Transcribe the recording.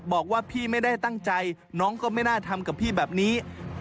บอกว่าพี่ไม่ได้ตั้งใจน้องก็ไม่น่าทำกับพี่แบบนี้